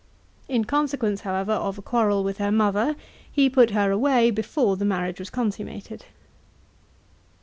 In consequence, however, of a quarrel with her mother, he put her away before the marriage was consummated.